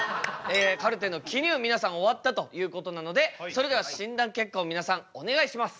カルテの記入皆さん終わったということなのでそれでは診断結果を皆さんお願いします。